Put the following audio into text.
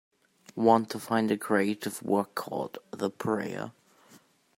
Want to find a creative work called The Prayer